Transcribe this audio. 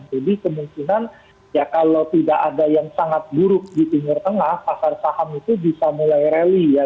jadi kemungkinan ya kalau tidak ada yang sangat buruk di pinggir tengah pasar saham itu bisa mulai rally ya